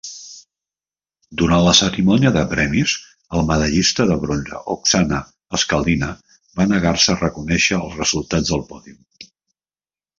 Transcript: Durant la cerimònia de premis, el medallista de bronze Oksana Skaldina va negar-se a reconèixer els resultats del pòdium.